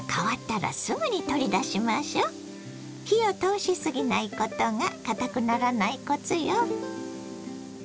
火を通し過ぎないことがかたくならないコツよ。